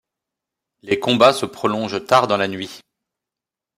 Les combats se prolongent tard dans la nuit.